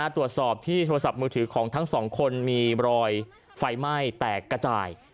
ตรวจสอบที่โทรศัพท์มือถือของทั้งสองคนมีรอยไฟไหม้แตกกระจาย